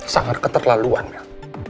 sangat keterlaluan mel